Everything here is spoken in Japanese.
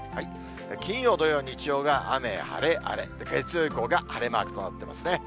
金曜、土曜、日曜が雨、晴れ、晴れ、月曜以降が晴れマークとなってますね。